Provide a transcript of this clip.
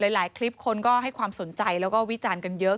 หลายคลิปคนก็ให้ความสนใจแล้วก็วิจารณ์กันเยอะ